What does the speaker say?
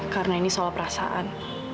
karena ini soal perasaan